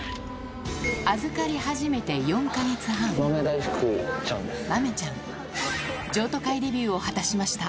預かり始めて４か月半豆ちゃん譲渡会デビューを果たしました